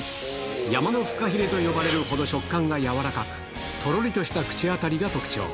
山のフカヒレと呼ばれるほど食感が柔らかく、とろりとした口当たりが特徴。